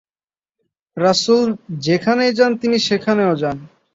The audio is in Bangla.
রাসূল যেখানেই যান তিনিও সেখানেই যান।